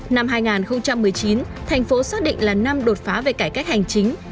năm hai nghìn một mươi chín thành phố xác định là năm đột phá về cải cách hành chính